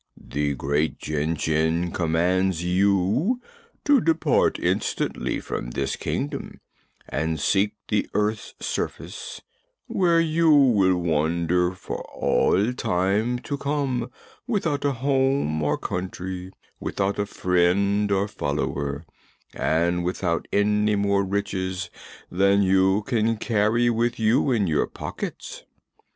"The Great Jinjin commands you to depart instantly from this Kingdom and seek the earth's surface, where you will wander for all time to come, without a home or country, without a friend or follower, and without any more riches than you can carry with you in your pockets.